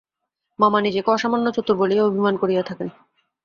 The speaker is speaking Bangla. মামা নিজেকে অসামান্য চতুর বলিয়াই অভিমান করিয়া থাকেন।